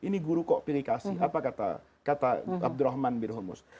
ini guru kok pilih kasih apa kata abdurrahman bin humus